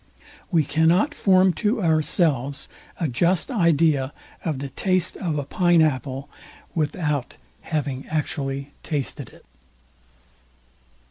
We cannot form to ourselves a just idea of the taste of a pine apple, without having actually tasted it.